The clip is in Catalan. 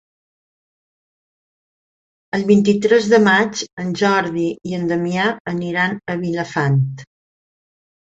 El vint-i-tres de maig en Jordi i en Damià aniran a Vilafant.